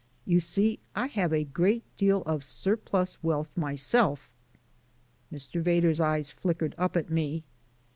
You see I have a great deal of surplus wealth myself " Mr. Vedder's eyes flickered up at me.